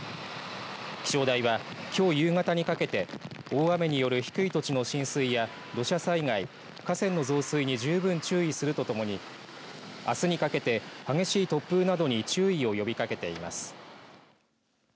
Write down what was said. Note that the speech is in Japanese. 気象台は、きょう夕方にかけて大雨による低い土地の浸水や土砂災害河川の増水に十分注意するとともにあすにかけて激しい突風などに注意を呼びかけています。